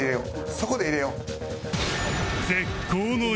そこで入れよう！